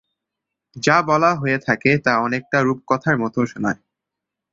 যা বলা হয়ে থাকে তা অনেকটা রূপকথার মত শোনায়।